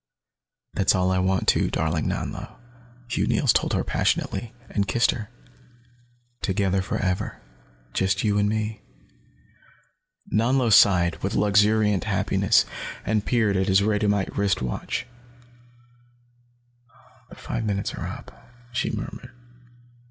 "That's all I want, too, darling Nanlo," Hugh Neils told her passionately, and kissed her. "Together, forever. Just you and me." Nanlo sighed, with luxuriant happiness, and peered at his radiumite wrist watch. "The five minutes are up," she murmured.